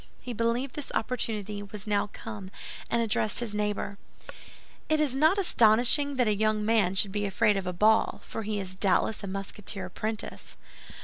He believed this opportunity was now come and addressed his neighbor: "It is not astonishing that that young man should be afraid of a ball, for he is doubtless a Musketeer apprentice."